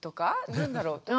何だろう？